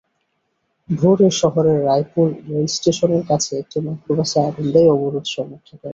ভোরে শহরের রায়পুর রেলস্টেশনের কাছে একটি মাইক্রোবাসে আগুন দেন অবরোধ সমর্থকেরা।